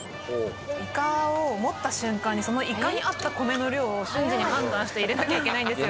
いかを持った瞬間にそのいかに合った米の量を瞬時に判断して入れなきゃいけないんですよ。